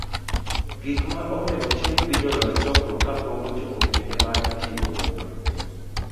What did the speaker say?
Gik ma onego tim gi jolos chokruok ,Ka pok ochopo kinde mar timo nonro,